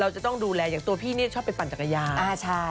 เราจะต้องดูแลอย่างตัวพี่ชอบไปปั่นจักรยา